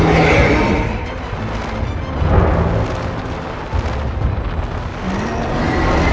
aku harus menggunakan jurus dagak puspa